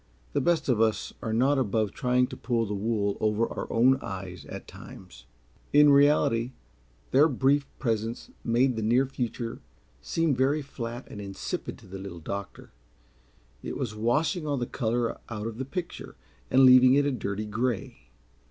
The best of us are not above trying to pull the wool over our own eyes, at times. In reality their brief presence made the near future seem very flat and insipid to the Little Doctor. It was washing all the color out of the picture, and leaving it a dirty gray.